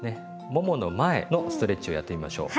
ももの前のストレッチをやってみましょう。